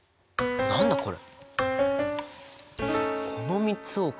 何だこれ。